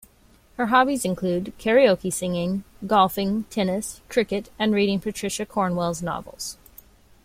Her hobbies include: karaoke singing, golfing, tennis, cricket, and reading Patricia Cornwell's novels.